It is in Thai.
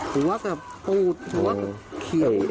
หัวก็ปูดหัวก็เขียว